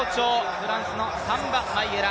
フランスのサンバマイエラ。